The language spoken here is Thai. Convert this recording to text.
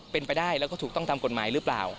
เป็นไปได้แล้วก็ถูกต้องตามกฎหมายหรือเปล่า